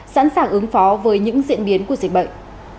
sẵn sàng ứng phó với những diễn biến của dịch bệnh